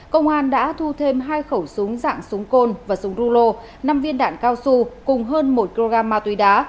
công an đã thu thêm hai khẩu súng dạng súng côn và súng rulo năm viên đạn cao su cùng hơn một kg ma túy đá